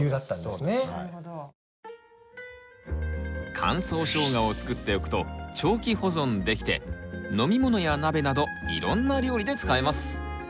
乾燥ショウガを作っておくと長期保存できて飲み物や鍋などいろんな料理で使えます。